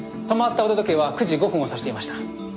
止まった腕時計は９時５分を指していました。